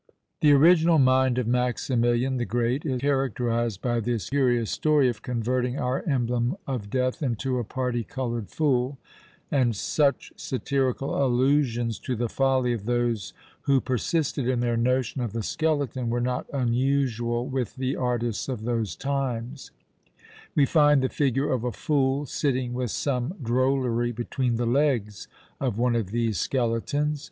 '" The original mind of Maximilian the Great is characterized by this curious story of converting our emblem of death into a parti coloured fool; and such satirical allusions to the folly of those who persisted in their notion of the skeleton were not unusual with the artists of those times; we find the figure of a fool sitting with some drollery between the legs of one of these skeletons.